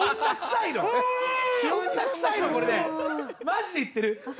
マジで言ってる？